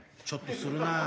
ちょっとするな。